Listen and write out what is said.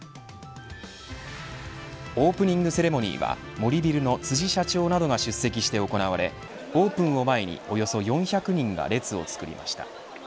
オープニングセレモニーは森ビルの辻社長などが出席して行われオープンを前に、およそ４００人が列をつくりました。